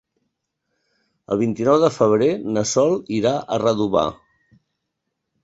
El vint-i-nou de febrer na Sol irà a Redovà.